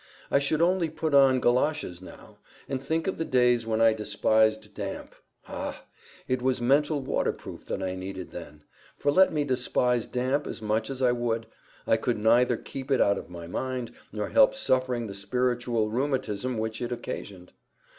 I should only put on goloshes now, and think of the days when I despised damp. Ah! it was mental waterproof that I needed then; for let me despise damp as much as I would, I could neither keep it out of my mind, nor help suffering the spiritual rheumatism which it occasioned.